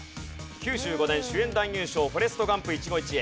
９５年主演男優賞『フォレスト・ガンプ／一期一会』。